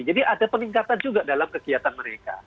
jadi ada peningkatan juga dalam kegiatan mereka